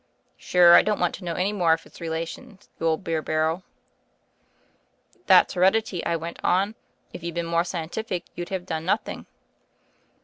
"Sure, I don't want to know any more of his relations — the old beer barrel." "That's heredity," I went on. "If you'd been more scientific you'd have done nothing."